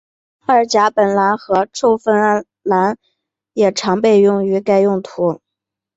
二甲苯蓝和溴酚蓝也常被用于该用途。